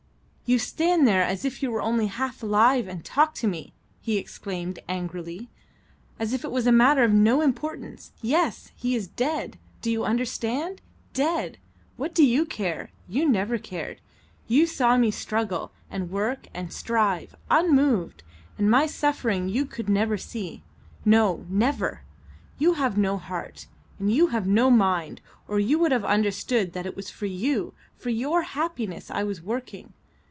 "You stand there as if you were only half alive, and talk to me," he exclaimed angrily, "as if it was a matter of no importance. Yes, he is dead! Do you understand? Dead! What do you care? You never cared; you saw me struggle, and work, and strive, unmoved; and my suffering you could never see. No, never. You have no heart, and you have no mind, or you would have understood that it was for you, for your happiness I was working.